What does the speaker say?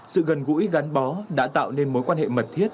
sự gần gũi gắn bó đã tạo nên mối quan hệ mật thiết